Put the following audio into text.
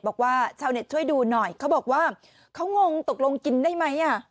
บอกว่าชาวเน็ตช่วยดูหน่อยเขาบอกว่าเขางงตกลงกินได้ไหม